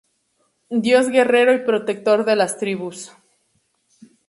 Dios guerrero y protector de las tribus.